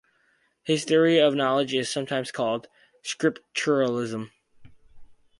His theory of knowledge is sometimes called "scripturalism".